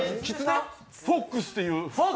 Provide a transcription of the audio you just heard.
「フォックス」っていう。